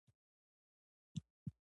د موټر غږ باید نارمل وي.